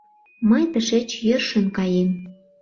Мый тышеч йӧршын каем.